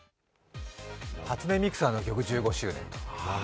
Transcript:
初音ミクさんの１５周年。